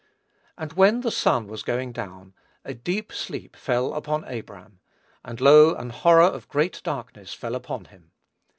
"And when the sun was going down, a deep sleep fell upon Abram; and, lo, an horror of great darkness fell upon him.